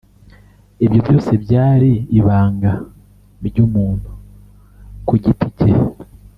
Ibyo byose byari ibanga ry’umuntu ku giti cye